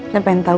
saya pengen tau